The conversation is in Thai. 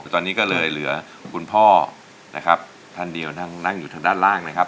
ตอนนี้ก็เลยเหลือคุณพ่อนะครับท่านเดียวนั่งนั่งอยู่ทางด้านล่างนะครับ